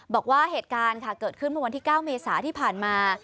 บอกว่าเหตุการณ์ค่ะเกิดขึ้นเมื่อวันที่๙เมษาที่ผ่านมา